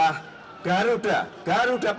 yang ada adalah garudaomicept